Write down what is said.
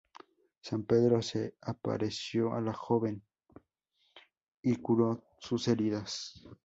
San Pedro se apareció a la joven y curó sus heridas.